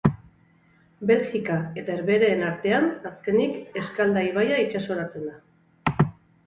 Belgika eta Herbehereen artean, azkenik, Eskalda ibaia itsasoratzen da.